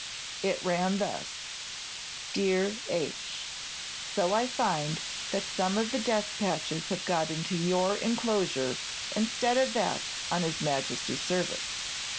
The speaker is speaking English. It ran thus: Dear H , So I find that some of the despatches have got into your enclosure instead of that "on his Majesty's service."